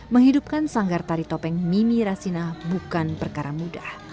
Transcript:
menghidupkan sanggar tari topeng mimi rasina bukan perkara mudah